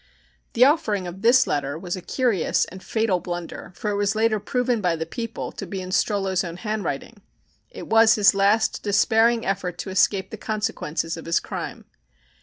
The offering of this letter was a curious and fatal blunder, for it was later proven by the People to be in Strollo's own handwriting. It was his last despairing effort to escape the consequences of his crime.